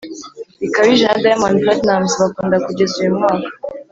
Bikabije na diamond platinumz bakunda kugeza uyu mwaka